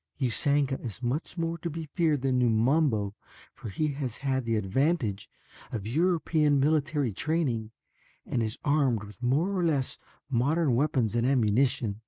Usanga is much more to be feared than Numabo for he has had the advantage of European military training and is armed with more or less modern weapons and ammunition."